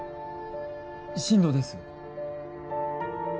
新藤です。